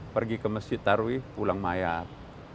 pergi ke masjid tarwih pulang mayat